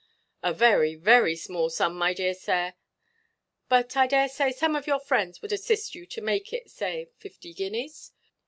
"A very, very small sum, my dear sir; but I dare say some of your friends would assist you to make it, say fifty guineas.